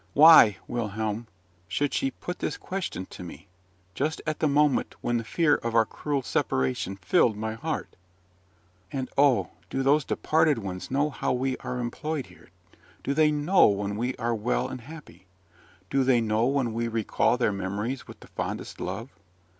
Why, Wilhelm, should she put this question to me, just at the moment when the fear of our cruel separation filled my heart? "And oh! do those departed ones know how we are employed here? do they know when we are well and happy? do they know when we recall their memories with the fondest love?